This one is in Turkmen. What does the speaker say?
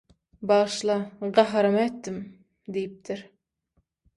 «Bagyşla gaharyma etdim» diýipdir.